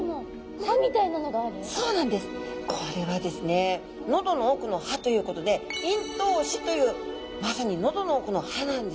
これはですね喉の奥の歯ということで咽頭歯というまさに喉の奥の歯なんですね。